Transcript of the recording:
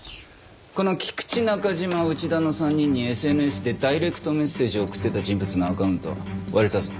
この菊池中島内田の３人にＳＮＳでダイレクトメッセージを送ってた人物のアカウント割れたぞ。